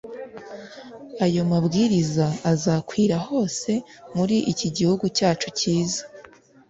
Ayo mabwiriza azakwira hose muri iki gihugu cyacu cyiza